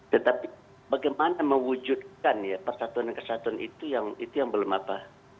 tetapi bagaimana mewujudkan ya persatuan dan kesatuan itu yang belum apa